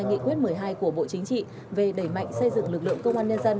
nghị quyết một mươi hai của bộ chính trị về đẩy mạnh xây dựng lực lượng công an nhân dân